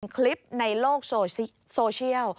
คลิปในโลกโซเชียล